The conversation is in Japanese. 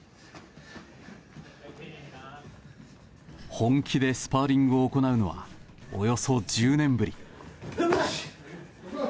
本気でスパーリングを行うのはおよそ１０年ぶり。